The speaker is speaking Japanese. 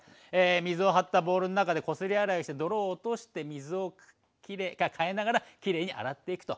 水を張ったボウルの中でこすり洗いをして泥を落として水を替えながらきれいに洗っていくと。